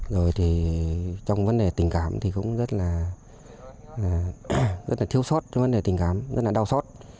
rồi thì trong vấn đề tình cảm thì cũng rất là thiếu sót vấn đề tình cảm rất là đau xót